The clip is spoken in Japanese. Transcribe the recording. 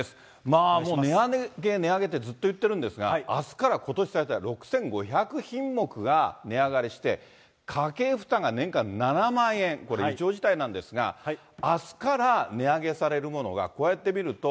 まあもう値上げ、値上げってずっと言ってるんですが、あすからことし最大、６５００品目が値上がりして、家計負担が年間７万円、これ、異常事態なんですが、あすから値上げされるものが、こうやって見ると。